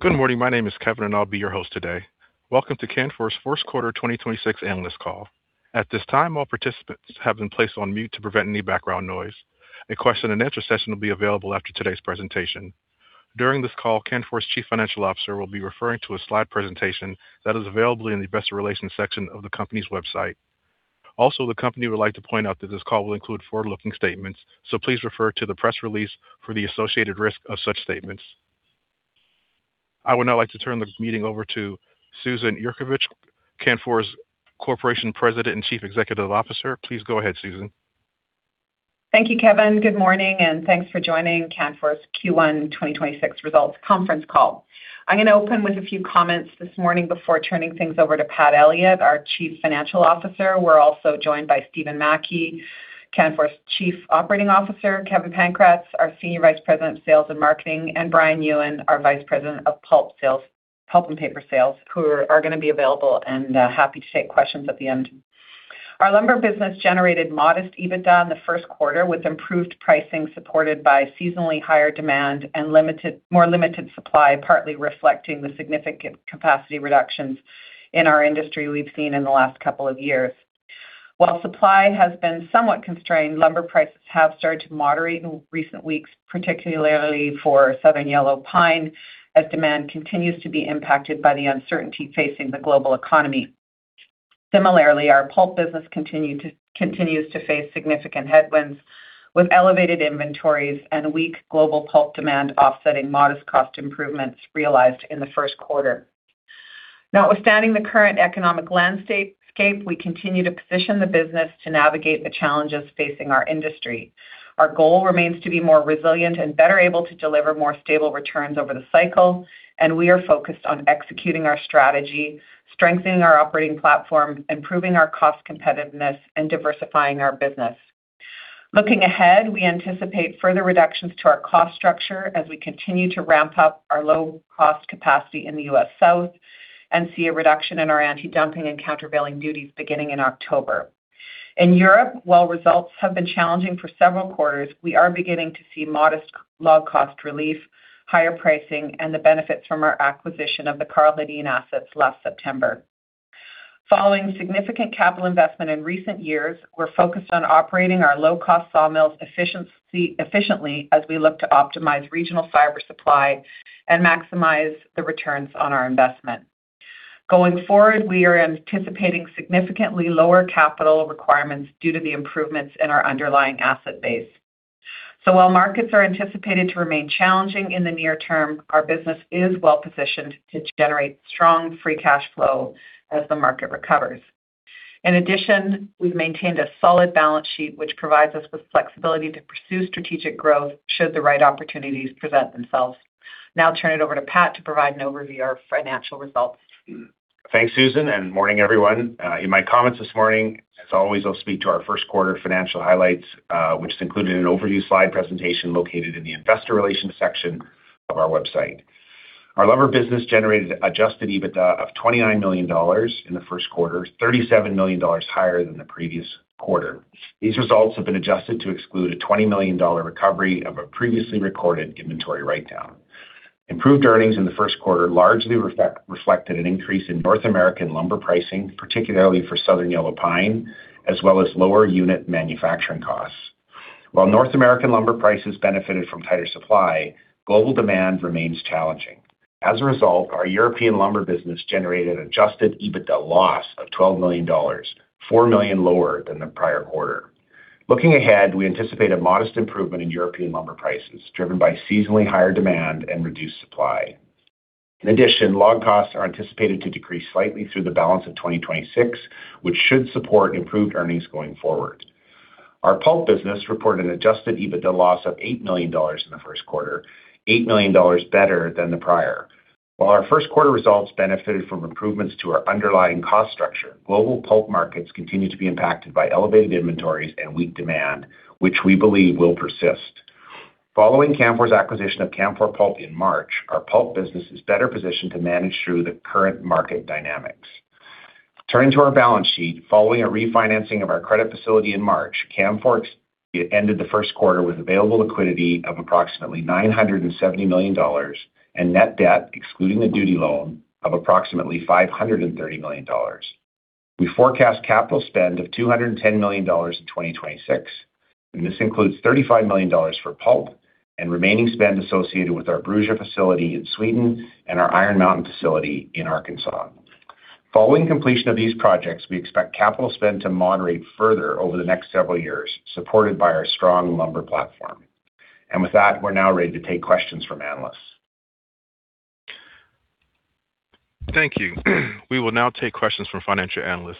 Good morning. My name is Kevin, and I'll be your host today. Welcome to Canfor's Q1 2026 analyst call. At this time, all participants have been placed on mute to prevent any background noise. A question and answer session will be available after today's presentation. During this call, Canfor's Chief Financial Officer will be referring to a slide presentation that is available in the investor relations section of the company's website. The company would like to point out that this call will include forward-looking statements. Please refer to the press release for the associated risk of such statements. I would now like to turn the meeting over to Susan Yurkovich, Canfor Corporation President and Chief Executive Officer. Please go ahead, Susan. Thank you, Kevin. Good morning and thanks for joining Canfor's Q1 2026 results conference call. I'm gonna open with a few comments this morning before turning things over to Pat Elliott, our Chief Financial Officer. We're also joined by Stephen Mackie, Canfor's Chief Operating Officer, Kevin Pankratz, our Senior Vice President of Sales and Marketing, and Brian Yuen, our Vice President of Pulp and Paper Sales, who are gonna be available and happy to take questions at the end. Our lumber business generated modest EBITDA in the Q1 with improved pricing supported by seasonally higher demand and more limited supply, partly reflecting the significant capacity reductions in our industry we've seen in the last couple of years. While supply has been somewhat constrained, lumber prices have started to moderate in recent weeks, particularly for southern yellow pine, as demand continues to be impacted by the uncertainty facing the global economy. Similarly, our pulp business continues to face significant headwinds, with elevated inventories and weak global pulp demand offsetting modest cost improvements realized in the Q1. Notwithstanding the current economic landscape, we continue to position the business to navigate the challenges facing our industry. Our goal remains to be more resilient and better able to deliver more stable returns over the cycle. We are focused on executing our strategy, strengthening our operating platform, improving our cost competitiveness, and diversifying our business. Looking ahead, we anticipate further reductions to our cost structure as we continue to ramp up our low-cost capacity in the U.S. South and see a reduction in our antidumping and countervailing duties beginning in October. In Europe, while results have been challenging for several quarters, we are beginning to see modest low cost relief, higher pricing, and the benefits from our acquisition of the Karl Hedin assets last September. Following significant capital investment in recent years, we're focused on operating our low-cost sawmills efficiently as we look to optimize regional fiber supply and maximize the returns on our investment. Going forward, we are anticipating significantly lower capital requirements due to the improvements in our underlying asset base. While markets are anticipated to remain challenging in the near term, our business is well-positioned to generate strong free cash flow as the market recovers. In addition, we've maintained a solid balance sheet, which provides us with flexibility to pursue strategic growth should the right opportunities present themselves. I'll turn it over to Pat to provide an overview of our financial results. Thanks, Susan, and morning, everyone. In my comments this morning, as always, I'll speak to our Q1 financial highlights, which is included in an overview slide presentation located in the investor relations section of our website. Our lumber business generated adjusted EBITDA of 29 million dollars in the Q1, 37 million dollars higher than the previous quarter. These results have been adjusted to exclude a 20 million dollar recovery of a previously recorded inventory writedown. Improved earnings in the Q1 largely reflected an increase in North American lumber pricing, particularly for southern yellow pine, as well as lower unit manufacturing costs. While North American lumber prices benefited from tighter supply, global demand remains challenging. As a result, our European lumber business generated adjusted EBITDA loss of 12 million dollars, 4 million lower than the prior quarter. Looking ahead, we anticipate a modest improvement in European lumber prices, driven by seasonally higher demand and reduced supply. In addition, log costs are anticipated to decrease slightly through the balance of 2026, which should support improved earnings going forward. Our pulp business reported an adjusted EBITDA loss of 8 million dollars in the Q1, 8 million dollars better than the prior. While our Q1 results benefited from improvements to our underlying cost structure, global pulp markets continue to be impacted by elevated inventories and weak demand, which we believe will persist. Following Canfor's acquisition of Canfor Pulp in March, our pulp business is better positioned to manage through the current market dynamics. Turning to our balance sheet, following a refinancing of our credit facility in March, it ended the Q1 with available liquidity of approximately 970 million dollars and net debt excluding the duty loan of approximately 530 million dollars. We forecast capital spend of 210 million dollars in 2026, and this includes 35 million dollars for pulp and remaining spend associated with our Bruza facility in Sweden and our Iron Mountain facility in Arkansas. Following completion of these projects, we expect capital spend to moderate further over the next several years, supported by our strong lumber platform. With that, we're now ready to take questions from analysts. Thank you. We will now take questions from financial analysts.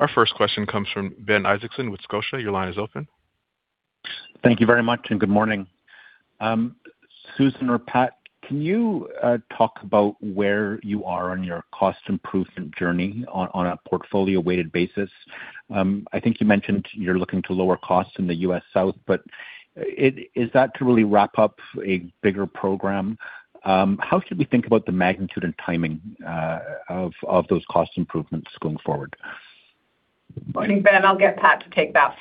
Our first question comes from Ben Isaacson with Scotiabank. Your line is open. Thank you very much, and good morning. Susan or Pat, can you talk about where you are on your cost improvement journey on a portfolio-weighted basis? I think you mentioned you're looking to lower costs in the U.S. South, but is that to really wrap up a bigger program? How should we think about the magnitude and timing of those cost improvements going forward? Morning, Ben. I'll get Pat to take that.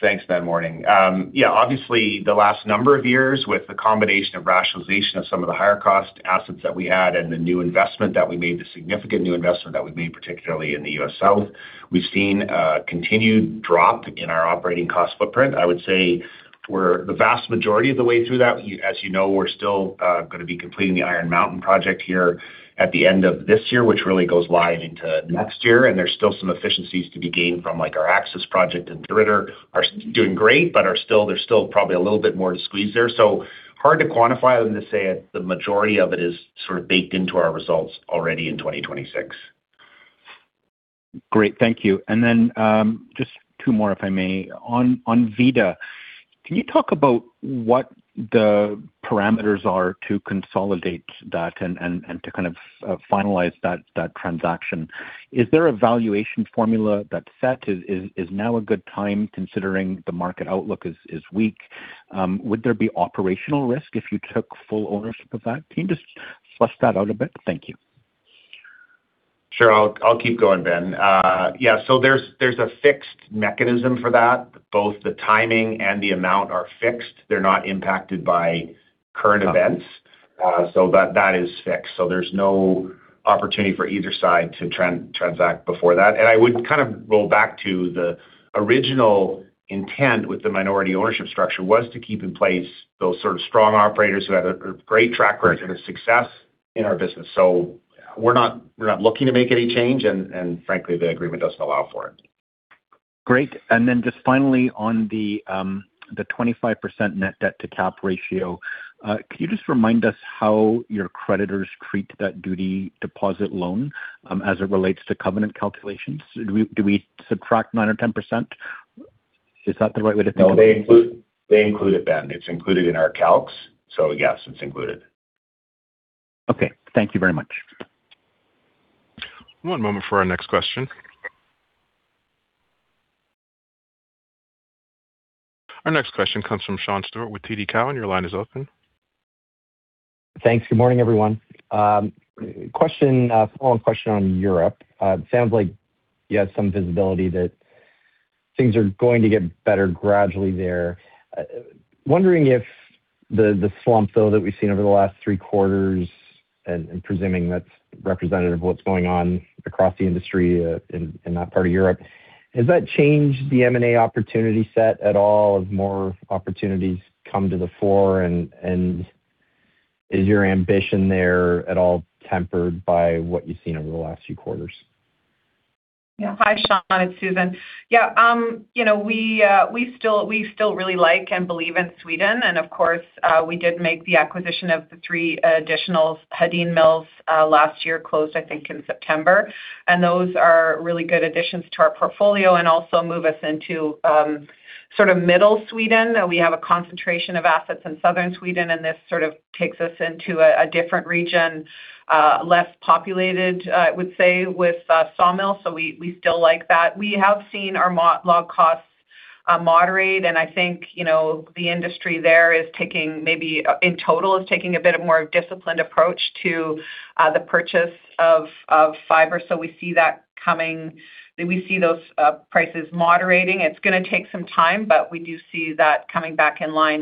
Thanks, Ben. Morning. Obviously the last number of years with the combination of rationalization of some of the higher cost assets that we had and the new investment that we made, the significant new investment that we made, particularly in the U.S. South, we've seen a continued drop in our operating cost footprint. I would say we're the vast majority of the way through that. As you know, we're still gonna be completing the Iron Mountain project here at the end of this year, which really goes live into next year. There's still some efficiencies to be gained from, like, our Axis project andDeRidder are doing great, but they're still probably a little bit more to squeeze there. Hard to quantify other than to say the majority of it is sort of baked into our results already in 2026. Great. Thank you. Then, just two more, if I may. On Vida, can you talk about what the parameters are to consolidate that and to kind of finalize that transaction? Is there a valuation formula that's set? Is now a good time considering the market outlook is weak? Would there be operational risk if you took full ownership of that? Can you just flush that out a bit? Thank you. Sure. I'll keep going, Ben. Yeah, so there's a fixed mechanism for that. Both the timing and the amount are fixed. They're not impacted by current events. So that is fixed. So there's no opportunity for either side to transact before that. I would kind of roll back to the original intent with the minority ownership structure was to keep in place those sort of strong operators who had a great track record of success in our business. So we're not looking to make any change, and frankly, the agreement doesn't allow for it. Great. Just finally on the 25% net debt to cap ratio, can you just remind us how your creditors treat that duty deposit loan as it relates to covenant calculations? Do we subtract 9% or 10%? Is that the right way to think of it? No, they include it, Ben. It's included in our calcs. Yes, it's included. Okay. Thank you very much. One moment for our next question. Our next question comes from Sean Steuart with TD Cowen. Your line is open. Thanks. Good morning, everyone. Question, follow-up question on Europe. It sounds like you have some visibility that things are going to get better gradually there. Wondering if the slump though that we've seen over the last three quarters and presuming that's representative of what's going on across the industry in that part of Europe, has that changed the M&A opportunity set at all as more opportunities come to the fore and is your ambition there at all tempered by what you've seen over the last few quarters? Hi, Sean. It's Susan. You know, we still really like and believe in Sweden. Of course, we did make the acquisition of the three additional Hedin mills 2023, closed, I think, in September. Those are really good additions to our portfolio and also move us into sort of middle Sweden. We have a concentration of assets in southern Sweden. This sort of takes us into a different region, less populated, I would say, with sawmills. We still like that. We have seen our log costs moderate. I think, you know, the industry there in total is taking a bit of more disciplined approach to the purchase of fiber. We see that coming. We see those prices moderating. It's gonna take some time, but we do see that coming back in line.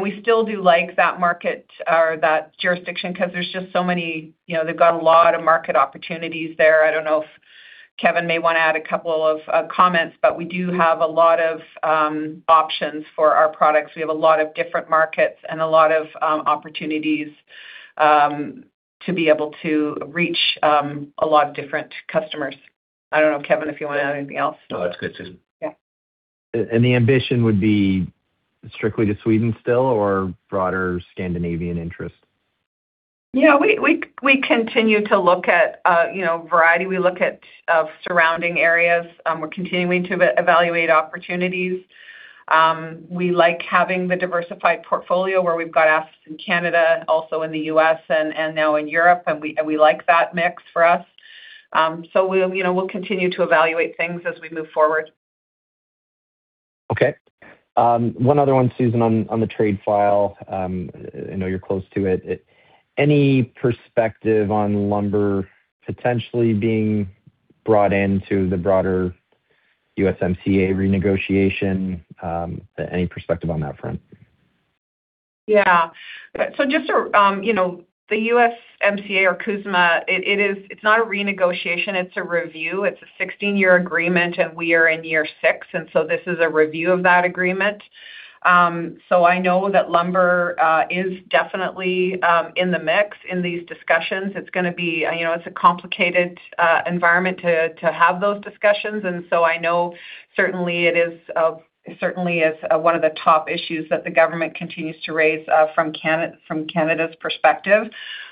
We still do like that market or that jurisdiction because there's just so many, you know, they've got a lot of market opportunities there. I don't know if Kevin may want to add a couple of comments, but we do have a lot of options for our products. We have a lot of different markets and a lot of opportunities to be able to reach a lot of different customers. I don't know, Kevin, if you want to add anything else. No, that's good, Susan. Yeah. The ambition would be strictly to Sweden still or broader Scandinavian interest? We continue to look at, you know, variety. We look at surrounding areas. We're continuing to evaluate opportunities. We like having the diversified portfolio where we've got assets in Canada, also in the U.S. and now in Europe, and we like that mix for us. We'll, you know, we'll continue to evaluate things as we move forward. Okay. One other one, Susan, on the trade file. I know you're close to it. Any perspective on lumber potentially being brought into the broader USMCA renegotiation? Any perspective on that front? Yeah. Just to, you know, the USMCA or CUSMA, it's not a renegotiation, it's a review. It's a 16-year agreement, we are in year six, this is a review of that agreement. I know that lumber is definitely in the mix in these discussions. It's gonna be, you know, it's a complicated environment to have those discussions. I know certainly it is certainly is one of the top issues that the government continues to raise from Canada's perspective.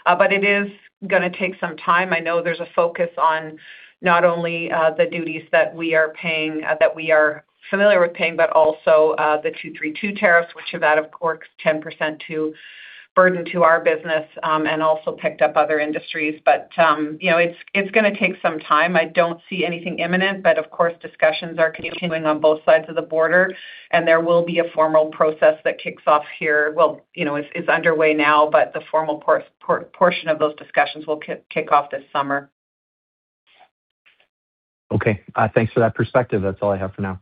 It is gonna take some time. I know there's a focus on not only the duties that we are paying, that we are familiar with paying, but also the Section 232 tariffs, which are that, of course, 10% burden to our business, and also picked up other industries. You know, it's gonna take some time. I don't see anything imminent, but of course, discussions are continuing on both sides of the border, and there will be a formal process that kicks off here. You know, it's underway now, but the formal portion of those discussions will kick off this summer. Thanks for that perspective. That's all I have for now.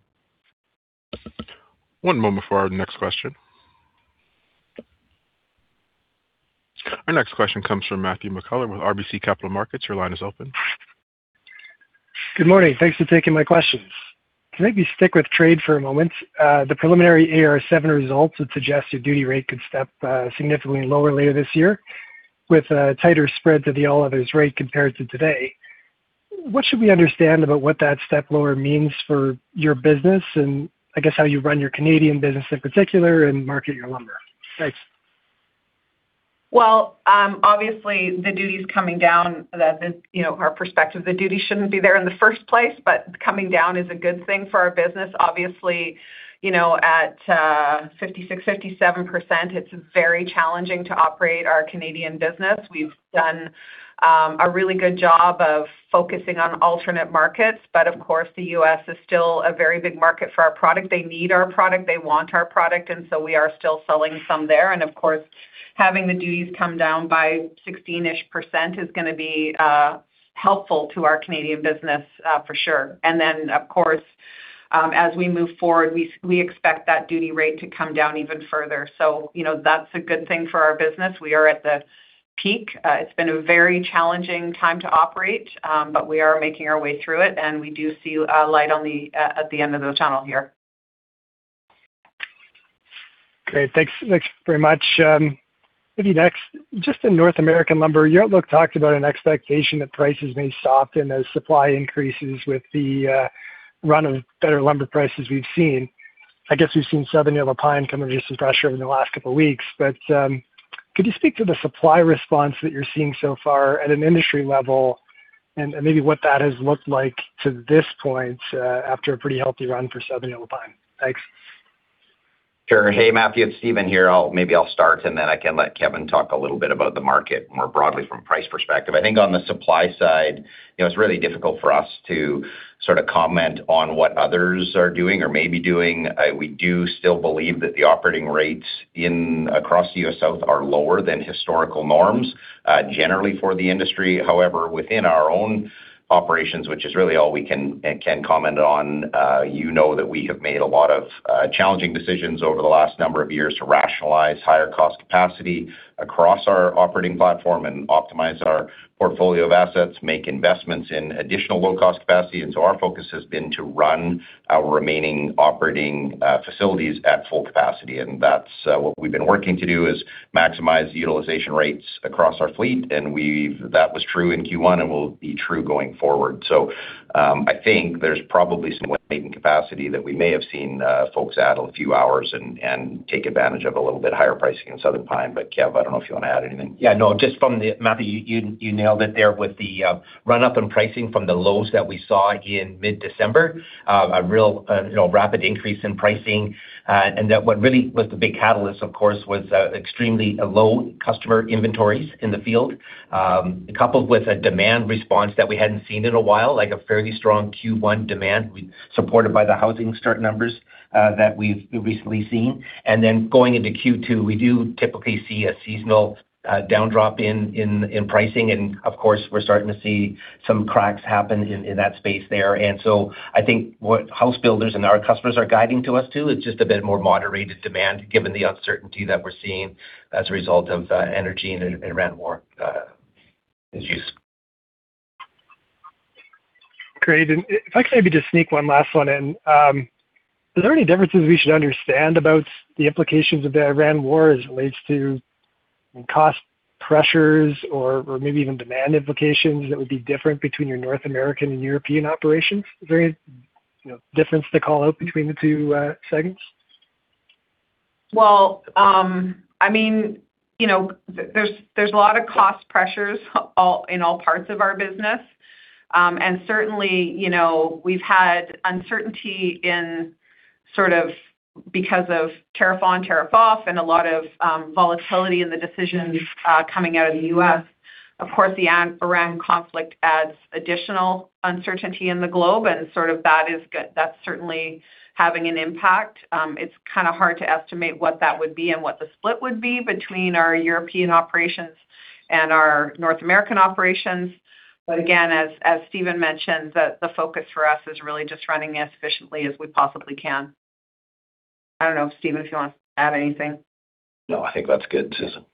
One moment for our next question. Our next question comes from Matthew McKellar with RBC Capital Markets. Your line is open. Good morning. Thanks for taking my questions. Can I maybe stick with trade for a moment? The preliminary AR7 results would suggest your duty rate could step significantly lower later this year with a tighter spread to the all others rate compared to today. What should we understand about what that step lower means for your business and, I guess, how you run your Canadian business in particular and market your lumber? Thanks. Obviously, the duties coming down that the, you know, our perspective, the duties shouldn't be there in the first place, coming down is a good thing for our business. Obviously, you know, at 56%-57%, it's very challenging to operate our Canadian business. We've done a really good job of focusing on alternate markets, of course, the U.S. is still a very big market for our product. They need our product, they want our product, we are still selling some there. Of course, having the duties come down by 16-ish% is gonna be helpful to our Canadian business for sure. Of course, as we move forward, we expect that duty rate to come down even further. You know, that's a good thing for our business. We are at the peak. It's been a very challenging time to operate, but we are making our way through it, and we do see a light on the, at the end of the tunnel here. Great. Thanks. Thanks very much. Maybe next, just in North American lumber, your outlook talked about an expectation that prices may soften as supply increases with the run of better lumber prices we've seen. I guess we've seen southern yellow pine come under some pressure over the last couple weeks. Could you speak to the supply response that you're seeing so far at an industry level and maybe what that has looked like to this point after a pretty healthy run for southern yellow pine? Thanks. Sure. Hey, Matthew, it's Stephen here. Maybe I'll start, and then I can let Kevin talk a little bit about the market more broadly from a price perspective. I think on the supply side, you know, it's really difficult for us to sort of comment on what others are doing or may be doing. We do still believe that the operating rates across the U.S. South are lower than historical norms, generally for the industry. However, within our own operations, which is really all we can comment on, you know that we have made a lot of challenging decisions over the last number of years to rationalize higher cost capacity across our operating platform and optimize our portfolio of assets, make investments in additional low-cost capacity. Our focus has been to run our remaining operating facilities at full capacity, and that's what we've been working to do, is maximize the utilization rates across our fleet, and that was true in Q1 and will be true going forward. I think there's probably some waiting capacity that we may have seen folks add a few hours and take advantage of a little bit higher pricing in Southern Pine. Kevin, I don't know if you wanna add anything. Yeah, no, just from the Matthew McKellar, you nailed it there with the run-up in pricing from the lows that we saw in mid-December. A real, you know, rapid increase in pricing. That what really was the big catalyst, of course, was extremely low customer inventories in the field, coupled with a demand response that we hadn't seen in a while, like a fairly strong Q1 demand supported by the housing start numbers that we've recently seen. Going into Q2, we do typically see a seasonal, down drop in pricing. Of course, we're starting to see some cracks happen in that space there. I think what house builders and our customers are guiding to us too is just a bit more moderated demand given the uncertainty that we're seeing as a result of energy and Iran war. Great. If I could maybe just sneak one last one in. Are there any differences we should understand about the implications of the Iran war as it relates to cost pressures or maybe even demand implications that would be different between your North American and European operations? Very, you know, difference to call out between the two segments? Well, I mean, you know, there's a lot of cost pressures all, in all parts of our business. Certainly, you know, we've had uncertainty in sort of because of tariff on, tariff off and a lot of volatility in the decisions coming out of the U.S. Of course, the Iran conflict adds additional uncertainty in the globe, and sort of that's certainly having an impact. It's kinda hard to estimate what that would be and what the split would be between our European operations and our North American operations. Again, as Stephen mentioned, the focus for us is really just running as efficiently as we possibly can. I don't know, Stephen, if you wanna add anything? No, I think that's good, Susan.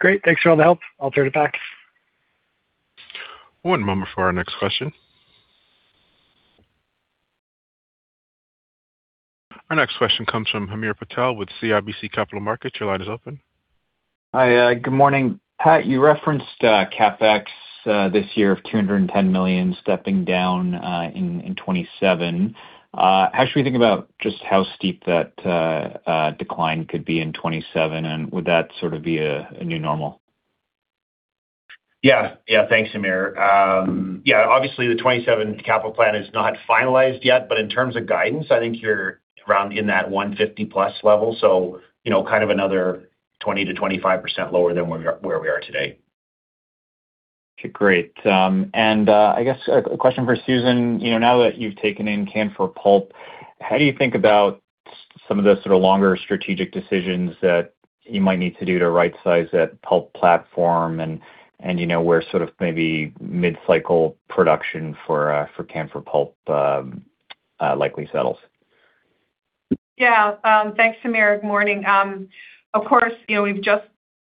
Great. Thanks for all the help. I'll turn it back. One moment for our next question. Our next question comes from Hamir Patel with CIBC Capital Markets. Your line is open. Hi. Good morning. Pat, you referenced CapEx this year of 210 million stepping down in 2027. How should we think about just how steep that decline could be in 2027, and would that sort of be a new normal? Yeah. Yeah, thanks, Hamir. Yeah, obviously the 2027 capital plan is not finalized yet, but in terms of guidance, I think you're around in that 150+ level, so, you know, kind of another 20%-25% lower than where we are today. Okay, great. I guess a question for Susan. You know, now that you've taken in Canfor Pulp, how do you think about some of the sort of longer strategic decisions that you might need to do to right-size that pulp platform and you know, where sort of maybe mid-cycle production for Canfor Pulp likely settles? Yeah. Thanks, Hamir. Morning. Of course, you know, we've just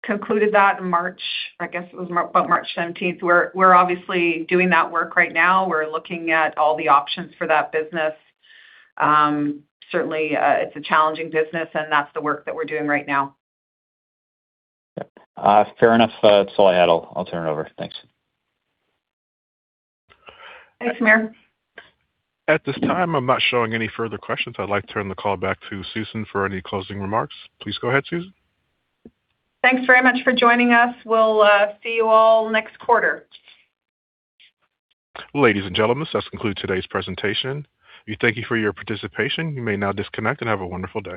concluded that in March, I guess it was about March 17th. We're obviously doing that work right now. We're looking at all the options for that business. Certainly, it's a challenging business, that's the work that we're doing right now. Yep. Fair enough. That's all I had. I'll turn it over. Thanks. Thanks, Hamir. At this time, I'm not showing any further questions. I'd like to turn the call back to Susan for any closing remarks. Please go ahead, Susan. Thanks very much for joining us. We'll see you all next quarter. Ladies and gentlemen, this concludes today's presentation. We thank you for your participation. You may now disconnect and have a wonderful day.